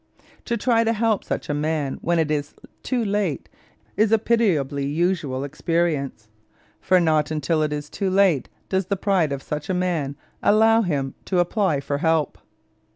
To try to help such a man when it is too late is a pitiably usual experience, for not until it is too late does the pride of such a man allow him to apply for help.